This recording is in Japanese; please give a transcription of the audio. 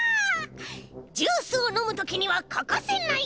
ジュースをのむときにはかかせない！